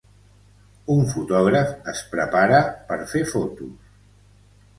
Un fotògraf es prepara per fer fotos.